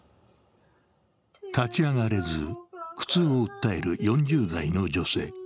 立ち上がれず、苦痛を訴える４０代の女性。